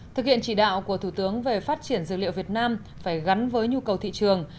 thực hiện chỉ đạo của thủ tướng về phát triển dược liệu việt nam phải gắn với nhu cầu thị trường